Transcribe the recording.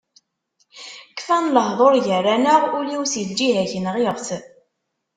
Kfan lehdur gar-aneɣ, ul-iw si lǧiha-k nɣiɣ-t.